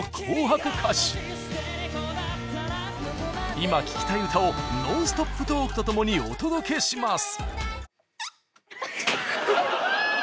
今聴きたい歌をノンストップトークとともにお届けします！